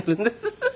フフフフ。